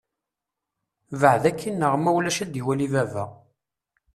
Beɛd akin neɣ ma ulac ad d-iwali baba.